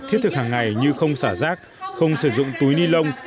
thiết thực hàng ngày như không xả rác không sử dụng túi ni lông